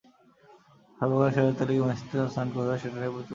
সর্বকালের সেরাদের তালিকায় মেসির স্থান কোথায়, সেটা নিয়েও চলে পাল্টাপাল্টি তর্ক।